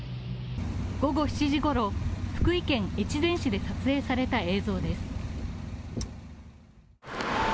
午後７時ごろ、福井県越前市で撮影された映像です。